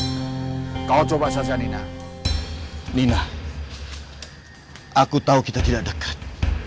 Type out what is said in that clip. baik kau coba sasaran nina nina aku tahu kita tidak dekat